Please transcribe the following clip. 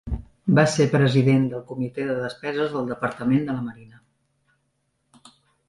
Va ser president de el Comitè de Despeses del Departament de la Marina.